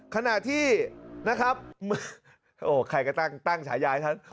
ขณะที่นะครับโอ้ใครก็ตั้งตั้งฉายายฉัน